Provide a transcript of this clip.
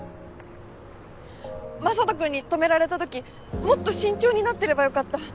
雅人君に止められた時もっと慎重になってればよかった。